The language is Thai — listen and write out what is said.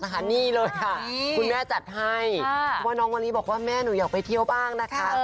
เพราะว่าน้องมะลีบอกว่าแม่หนูอยากไปเที่ยวบ้างนะค่ะ